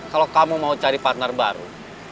kalau kamu mau cari partner baru